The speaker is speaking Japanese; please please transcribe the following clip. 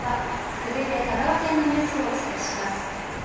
続いて香川県のニュースをお伝えします。